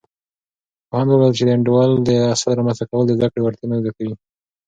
پوهاند وویل، چې د انډول د اصل رامنځته کول د زده کړې وړتیا زیاتوي.